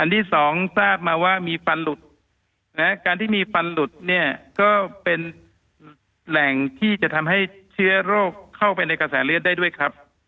ที่สองทราบมาว่ามีฟันหลุดการที่มีฟันหลุดเนี่ยก็เป็นแหล่งที่จะทำให้เชื้อโรคเข้าไปในกระแสเลือดได้ด้วยครับ